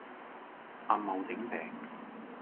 阿茂整餅